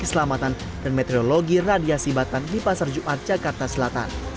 keselamatan dan meteorologi radiasi batang di pasar jumat jakarta selatan